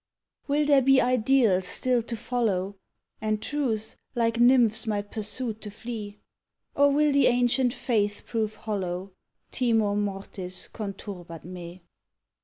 _ Will there be ideals still to follow, And truths, like nymphs my pursuit to flee, Or will the ancient faith prove hollow? _Timor mortis conturbat me.